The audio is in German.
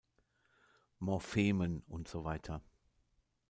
Morphemen usw.